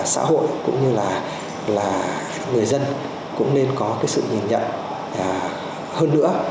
xã hội cũng như là người dân cũng nên có cái sự nhìn nhận hơn nữa